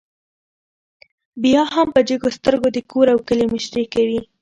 بيا هم په جګو سترګو د کور او کلي مشري کوي